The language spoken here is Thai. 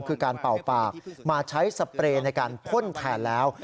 คือการเป่าปากมาใช้สเปรย์ในการพ่นแทนแล้ว